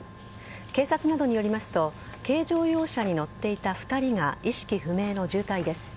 警察などによりますと軽乗用車に乗っていた２人が意識不明の重体です。